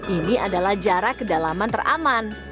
ini adalah jarak kedalaman teraman